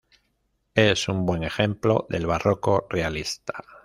Es un buen ejemplo del barroco realista.